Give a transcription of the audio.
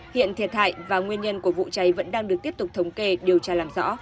hiện thiệt hại và nguyên nhân của vụ cháy vẫn đang được tiếp tục thống kê điều tra làm rõ